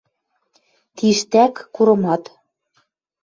Тиштӓк курымат!»